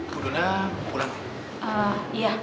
bu dona mau pulang ya